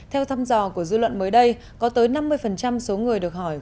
theo thăm dò của dư luận mới đây có tới năm mươi số người được hỏi